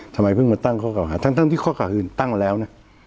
ทำไมเพิ่งมาตั้งข้อเก่าหาทั้งที่ข้อเก่าอื่นตั้งแล้วนะ